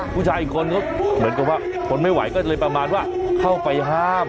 ผู้ชายอีกคนก็เหมือนกับว่าทนไม่ไหวก็เลยประมาณว่าเข้าไปห้าม